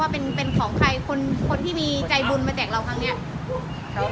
ว่าคนนี้คนที่มาแจกคือ